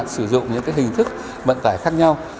sử dụng những hình thức vận tải khác nhau